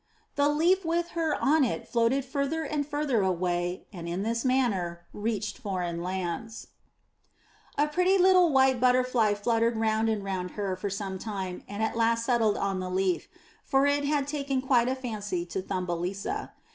'' The leaf with her on it floated further and further away and in this manner reached foreign lands. 417 MY BOOK HOUSE A pretty little white butterfly fluttered round and round her for some time and at last settled on the leaf, for it had taken quite a fancy to Thumbelisa.